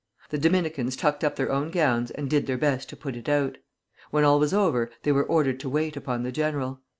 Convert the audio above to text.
The Dominicans tucked up their gowns and did their best to put it out. When all was over, they were ordered to wait upon the general.